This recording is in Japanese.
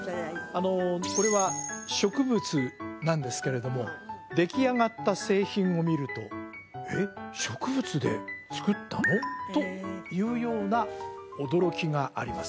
これは植物なんですけれども出来上がった製品を見るとえっ植物で作ったの？というような驚きがあります